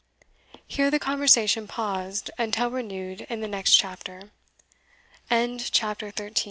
Here the conversation paused, until renewed in the next CHAPTER. CHAPTER FOURTEENTH.